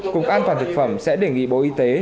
cục an toàn thực phẩm sẽ đề nghị bộ y tế